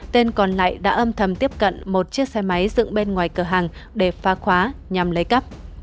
tên còn lại đã âm thầm tiếp cận một chiếc xe máy dựng bên ngoài cửa hàng để phá khóa nhằm lấy cắp